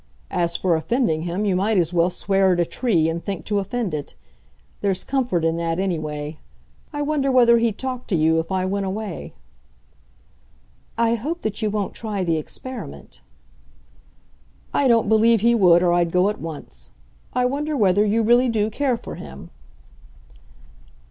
As for offending him, you might as well swear at a tree, and think to offend it. There's comfort in that, anyway. I wonder whether he'd talk to you if I went away?" "I hope that you won't try the experiment." "I don't believe he would, or I'd go at once. I wonder whether you really do care for him?"